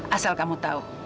asal kamu tau